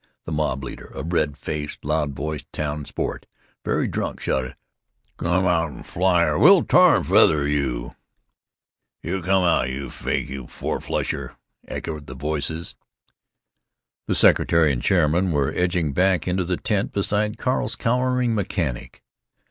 The mob leader, a red faced, loud voiced town sport, very drunk, shouted, "Come out and fly or we'll tar and feather you!" "Yuh, come on, you fake, you four flusher!" echoed the voices. The secretary and chairman were edging back into the tent, beside Carl's cowering mechanic.